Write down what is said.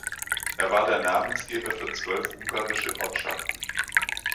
Er war der Namensgeber für zwölf ungarische Ortschaften.